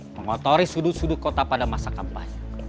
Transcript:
mengotori sudut sudut kota pada masa kampanye